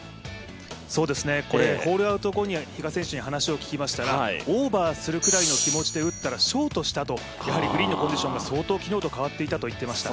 ホールアウト後に比嘉選手に話を聞きましたがオーバーするくらいの気持ちで打ったらショートしたと、やはりグリーンのコンディションが昨日と相当変わっていたと言っていました。